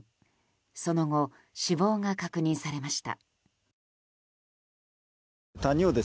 その後、死亡が確認されました。